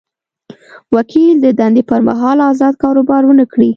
وکیل د دندې پر مهال ازاد کاروبار ونه کړي.